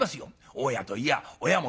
大家といや親も同様。